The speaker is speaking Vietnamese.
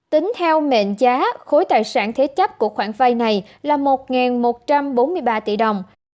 tính theo mệnh giá khối tài sản thế chấp của khoản vay này là một một trăm bốn mươi ba tỷ đồng